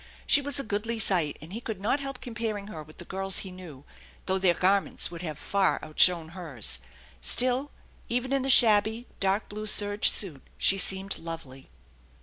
She was a goodly sight, and he could not help comparing her with the girls he knew, though their garments would have far outshone hers. Still, even in the shabby dark blue serge suit she seemed lovely.